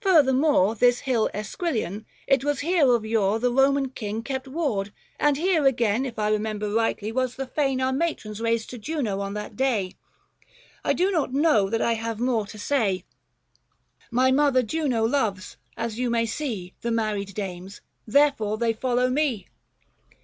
Furthermore 260 This Hill Esquilian ; it was here of yore The Eoman King kept ward ; and here again, If I remember rightly, was the fane Oar matrons raised to Juno on that day. I do not know that I have more to say ; 265 My mother Juno loves, as you may see, The married dames : therefore they follow me."